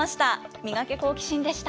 ミガケ、好奇心！でした。